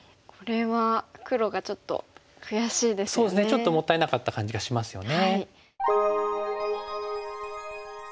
ちょっともったいなかった感じがしますよね。